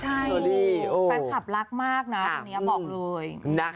ใช่แฟนคลับรักมากนะตอนนี้บอกเลยนะ